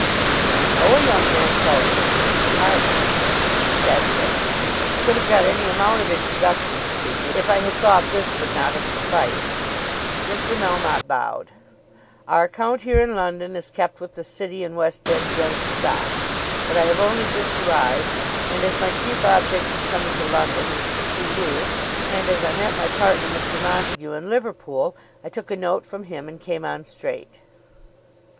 "I know a young man called Sir Felix Carbury." "That's it. I could have got any amount of introductions to you if I had thought this would not have sufficed." Mr. Melmotte bowed. "Our account here in London is kept with the City and West End Joint Stock. But I have only just arrived, and as my chief object in coming to London is to see you, and as I met my partner, Mr. Montague, in Liverpool, I took a note from him and came on straight."